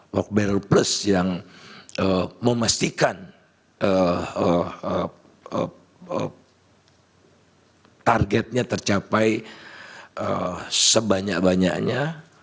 work baru plus yang memastikan targetnya tercapai sebanyak banyaknya